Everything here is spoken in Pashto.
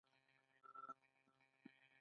سترګې روښانې دي.